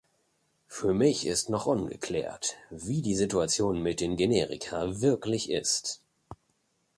Für mich ist noch ungeklärt, wie die Situation mit den Generika wirklich ist.